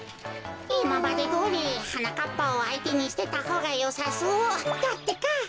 いままでどおりはなかっぱをあいてにしてたほうがよさそうだってか。